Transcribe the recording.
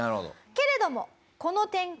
けれどもこの展開